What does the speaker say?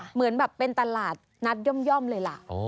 เหมือนแบบเป็นตลาดนัดย่อมเลยล่ะ